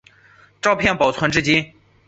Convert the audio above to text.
照片保存至今。